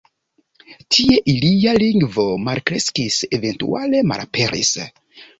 Tie ilia lingvo malkreskis eventuale malaperis.